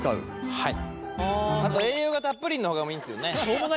はい。